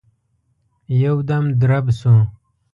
يودم درب شو.